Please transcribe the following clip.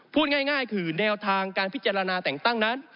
พูดง่ายคือแนวทางการพิจารณาแต่งตั้งนั้น